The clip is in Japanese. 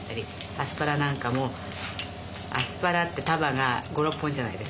アスパラなんかもアスパラって束が５６本じゃないですか。